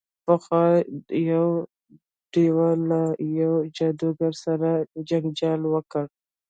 پخوا یو دیو له یوه جادوګر سره جنجال وکړ.